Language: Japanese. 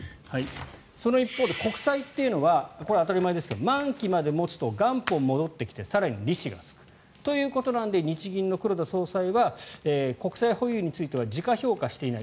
その一方で、国債というのはこれは当たり前ですが満期まで持つと元本が戻ってきて更に利子がつくということなので日銀の黒田総裁は国債保有については時価評価していない。